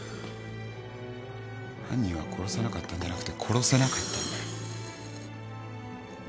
犯人は殺さなかったんじゃなくて殺せなかったんだよ。